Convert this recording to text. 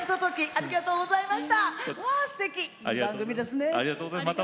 ありがとうございます。